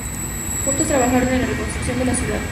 Juntos trabajaron en la reconstrucción de la ciudad.